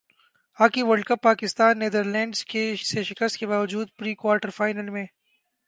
hockey world cup Pakistan Netherlands سے شکست کے باوجود پری کوارٹر فائنل میں